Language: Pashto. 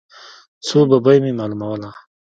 خو ببۍ مې معلوموله.